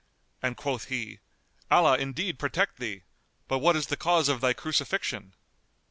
and quoth he, "Allah indeed protect thee! But what is the cause of thy crucifixion?"